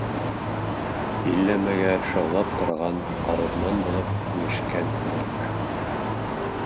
Иллә-мәгәр шаулап торған ҡарурман булып һеңешкән күңелемә.